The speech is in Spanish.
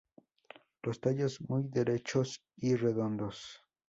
Los tallos muy derechos y redondos.